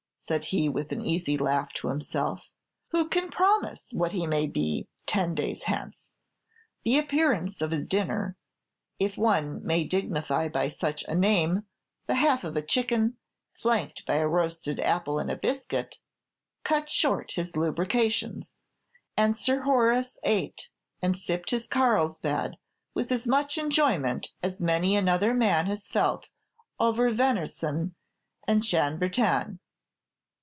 said he, with an easy laugh to himself. "Who can promise what he may be ten days hence?" The appearance of his dinner if one may dignify by such a name the half of a chicken, flanked by a roasted apple and a biscuit cut short his lucubrations; and Sir Horace ate and sipped his Carlsbad with as much enjoyment as many another man has felt over venison and Chambertin.